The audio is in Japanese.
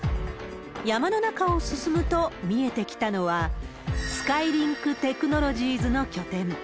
山の中を進むと見えてきたのは、スカイリンクテクノロジーズの拠点。